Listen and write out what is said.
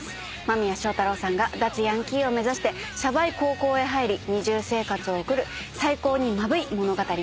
間宮祥太朗さんが脱ヤンキーを目指してシャバい高校へ入り二重生活を送る最高にマブい物語です。